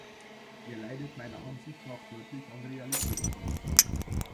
Er leidet meiner Ansicht nach deutlich an Realitätsverlust.